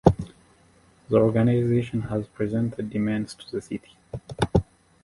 The organization has presented demands to the city.